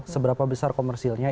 seberapa besar komersilnya